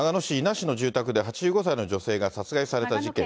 長野県伊那市の住宅で８５歳の女性が殺害された事件。